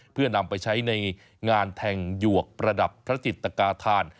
เพื่อนำไปใช้ในงานแทงหยวกประดับพระจิตกาธาน